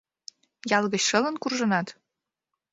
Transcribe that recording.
Ял гыч шылын куржынат?